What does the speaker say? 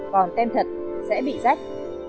còn tem thật sẽ bị rách